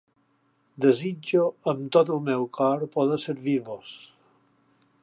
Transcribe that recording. Desitjo amb tot el meu cor poder servir-vos.